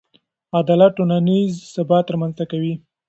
عدالت ټولنیز ثبات رامنځته کوي.